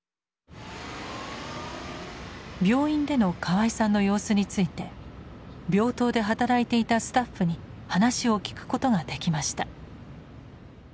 病院での河合さんの様子について病棟で働いていたスタッフに話を聞くことができました。